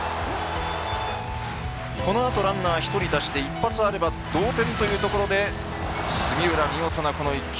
このあとランナー１人出して１発あれば同点というところで杉浦見事な１球。